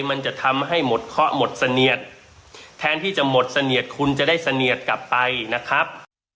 มันจะทำให้หมดเคาะหมดเสนียดแทนที่จะหมดเสนียดคุณจะได้เสนียดกลับไปนะครับ